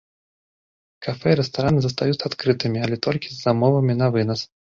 Кафэ і рэстараны застаюцца адкрытымі, але толькі з замовамі на вынас.